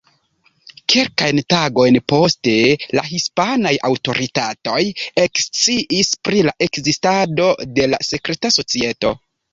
Kelkajn tagojn poste la hispanaj aŭtoritatoj eksciis pri la ekzistado de la sekreta societo.